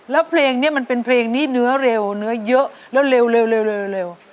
แล้วเพลงเนี้ยมันเป็นเพลงนี้เนื้อเร็วเนื้อเยอะแล้วเร็วเร็วเร็วเร็วเร็ว